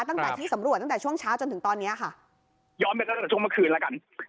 ตั้งแต่ที่สำรวจตั้งแต่ช่วงเช้าจนถึงตอนเนี้ยค่ะย้อนไปตั้งแต่ช่วงเมื่อคืนแล้วกัน